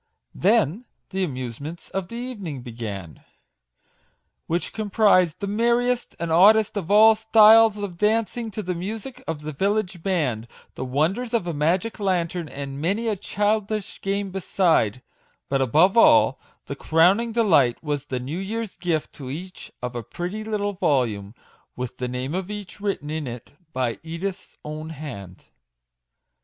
Then the amusements of the evening began, which comprised the merriest and oddest of all styles of dancing to the music of the village band, the wonders of a magic lantern, and many a childish game beside ; but above all, the crowning delight was the new year's gift to each of a pretty little volume, with the name of each written in it by Edith's own hand.